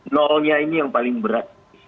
nolnya ini yang paling berat